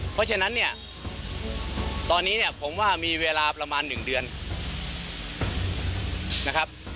เพราะฉะนั้นเนี่ยตอนนี้เนี่ยผมว่ามีเวลาประมาณ๑เดือนนะครับ